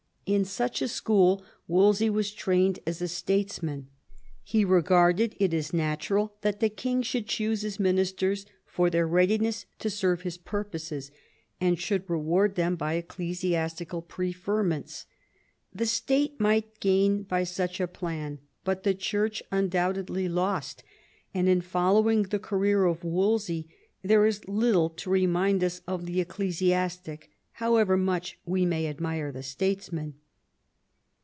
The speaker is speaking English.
In such a school Wolsey was trained as a statesman. He regarded it as natural that the King should choose his ministers for their readiness to serve his purposes, and should reward them by ecclesiastical preferments. The State might gain by such a plan, but the Church undoubtedly lost ; and in following the career of Wolsey there is little to remind us of the ecclesiastic, however much we may admire the statesman.